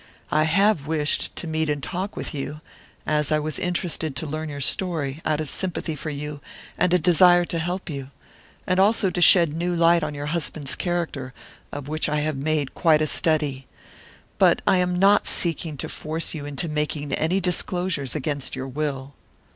I have wished to meet you and talk with you, as I was interested to learn your story, out of sympathy for you and a desire to help you, and also to shed new light on your husband's character, of which I have made quite a study; but I am not seeking to force you into making any disclosures against your will."